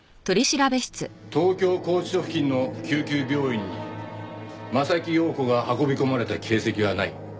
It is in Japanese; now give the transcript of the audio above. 東京拘置所付近の救急病院に柾庸子が運び込まれた形跡はない。